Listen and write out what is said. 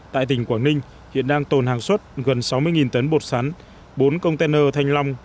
tại tỉnh quảng ninh hiện đang tồn hàng xuất gần sáu mươi tấn bột sắn bốn container thanh long